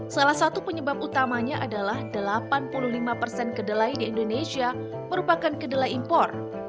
salah satu penyebab utamanya adalah delapan puluh lima persen kedelai di indonesia merupakan kedelai impor